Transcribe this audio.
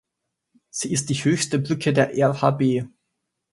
Sie ist die höchste Brücke der RhB.